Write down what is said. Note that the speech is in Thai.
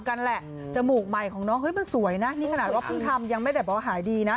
กันแหละจมูกใหม่ของน้องเฮ้ยมันสวยนะนี่ขนาดว่าเพิ่งทำยังไม่ได้บอกว่าหายดีนะ